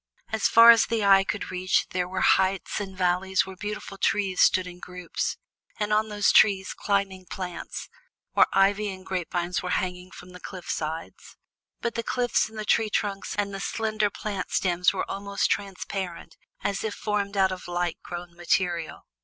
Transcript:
As far as the eye could reach were seen heights and valleys where beautiful trees stood in groups; on those trees rose climbing plants, while ivy and grapevines were hanging from the cliff sides. But the cliffs and the tree trunks and the slender plant stems were almost transparent, as if formed out of light grown material.